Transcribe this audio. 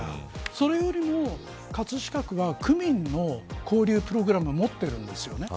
それよりも葛飾区は区民の交流プログラムを持っているんですよね。